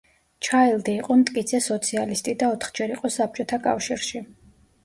ჩაილდი იყო მტკიცე სოციალისტი და ოთხჯერ იყო საბჭოთა კავშირში.